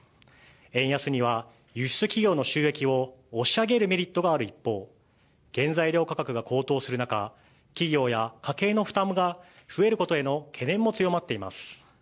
円安には、輸出企業の収益を押し上げるメリットがある一方、原材料価格が高騰する中、企業や家計の負担が増えることへの懸念も強まっています。